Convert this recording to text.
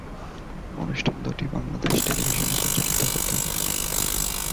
অনুষ্ঠান দুটি বাংলাদেশ টেলিভিশনে প্রচারিত হত।